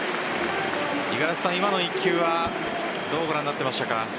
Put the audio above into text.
五十嵐さん、今の１球はどうご覧になってましたか？